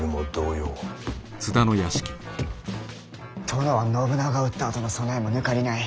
殿は信長を討ったあとの備えもぬかりない。